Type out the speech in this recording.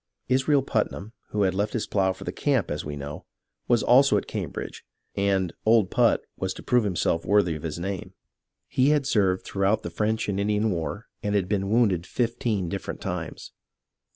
Israel Putnam, who had left his plough for the camp, as we know, was also at Cambridge, and " Old Put" was to prove himself worthy of his name. He had served throughout the French and Indian war and had been wounded fifteen different times.